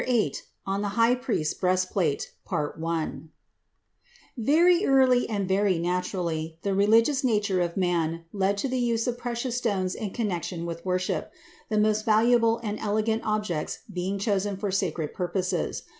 ] VIII On the High Priest's Breastplate Very early, and very naturally, the religious nature of man led to the use of precious stones in connection with worship—the most valuable and elegant objects being chosen for sacred purposes.